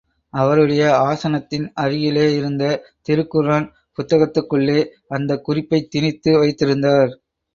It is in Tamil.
அவருடைய ஆசனத்தின் அருகிலே இருந்த திருக்குர்ஆன் புத்தகத்துக்குள்ளே அந்தக் குறிப்பைத் திணித்து வைத்திருந்தார்.